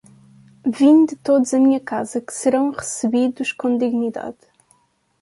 vinde todos a minha casa que serão serão recebidos com dignidade